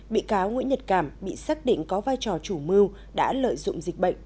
bị cáo nguyễn nhật cảm bị xác định có vai trò chủ mưu đã lợi dụng dịch bệnh